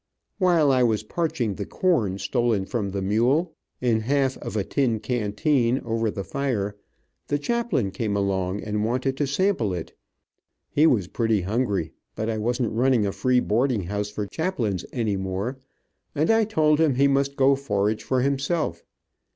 While I was parching the corn stolen from the mule, in a half of a tin canteen, over the fire, the chaplain came along and wanted to sample it. He was pretty hungry, but I wasn't running a free boarding house for chaplains any more, and I told him he must go forage for himself.